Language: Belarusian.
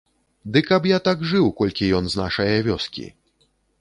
Ды каб я так жыў, колькі ён з нашае вёскі.